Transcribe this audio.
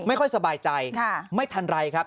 ไม่ค่อยสบายใจไม่ทันไรครับ